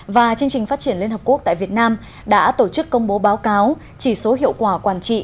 và chương trình phát triển liên hợp quốc tại việt nam đã tổ chức công bố báo cáo chỉ số hiệu quả quản trị